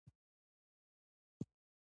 ملکیار هوتک د پښتو یو رښتینی خدمتګار و.